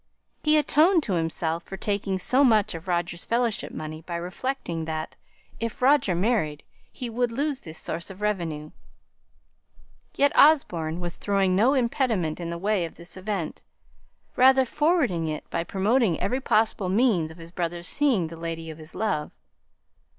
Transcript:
He atoned to himself for taking so much of Roger's Fellowship money by reflecting that, if Roger married, he would lose this source of revenue; yet Osborne was throwing no impediment in the way of this event, rather forwarding it by promoting every possible means of his brother's seeing the lady of his love.